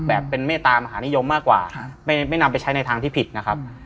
แบบเป็นเมตตามหานิยมมากกว่าไม่นำไปใช้ในทางที่ผิดนะครับ